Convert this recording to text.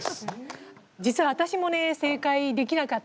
実は私もね、正解できなかった。